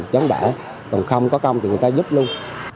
còn không có công thì người ta giúp luôn